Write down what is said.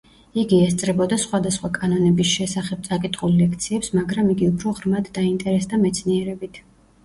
იგი ესწრებოდა სხვადასხვა კანონების შესახებ წაკითხულ ლექციებს, მაგრამ იგი უფრო ღრმად დაინტერესდა მეცნიერებით.